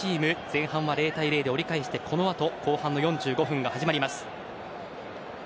前半は０対０で折り返して、このあと後半の４５分が始まります。